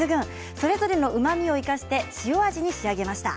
それぞれのうまみを生かして塩味に仕上げました。